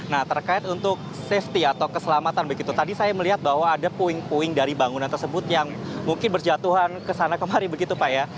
nah terkait untuk safety atau keselamatan begitu tadi saya melihat bahwa ada puing puing dari bangunan tersebut yang mungkin berjatuhan ke sana kemari begitu pak ya